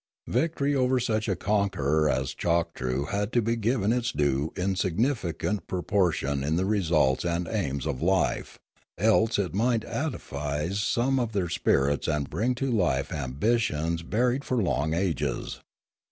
Victory over such a conqueror as Choktroo had to be given its due insignificant propor tion in the results and aims of life, else it might atavise some of their spirits and bring to life ambitions buried for long ages.